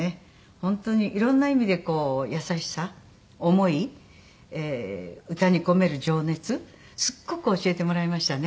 本当に色んな意味でこう優しさ思い歌に込める情熱すっごく教えてもらいましたね。